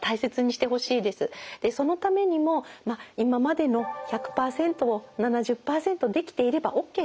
そのためにも今までの１００％を７０％できていればＯＫと。